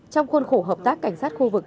trong khuôn khổ hợp tác cảnh sát khu vực